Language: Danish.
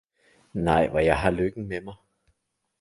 Nej, hvor jeg har lykken med mig!